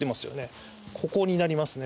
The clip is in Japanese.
ここになりますね。